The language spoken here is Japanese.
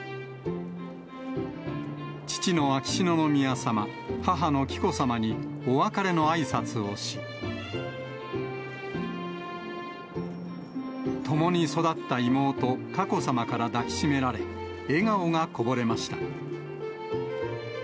父の秋篠宮さま、母の紀子さまに、お別れのあいさつをし、共に育った妹、佳子さまから抱き締められ、笑顔がこぼれました。